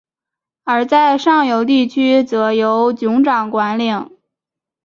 而在上游地区则由酋长管领。